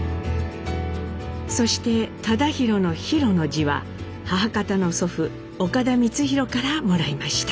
そして忠宏の「宏」の字は母方の祖父岡田光宏からもらいました。